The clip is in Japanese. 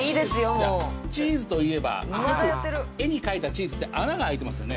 チーズといえばよく絵に描いたチーズって穴があいてますよね。